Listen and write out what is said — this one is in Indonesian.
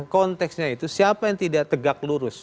konteksnya itu siapa yang tidak tegak lurus